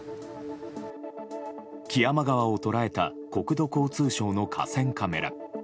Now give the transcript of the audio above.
木山川を捉えた国土交通省の河川カメラ。